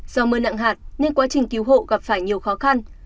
do mưa nặng hạt nên quá trình cứu hộ gặp phải nhiều khó khăn